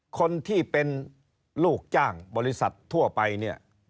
คนที่เป็นลูกจ้างบริษัททั่วไปเนี่ย